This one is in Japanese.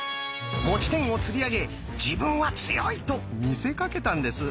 持ち点をつり上げ「自分は強い！」と見せかけたんです。